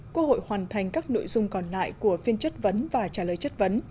quốc hội hoàn thành các nội dung còn lại của phiên chất vấn và trả lời chất vấn